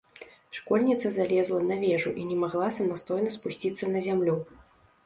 Школьніца залезла на вежу і не магла самастойна спусціцца на зямлю.